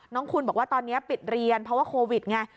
น้องคุณบอกว่าตอนนี้ปิดเรียนเพราะว่าโควิดไง